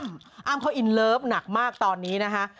อ้ำเขาอินเลิฟหนักมากตอนนี้นะคะ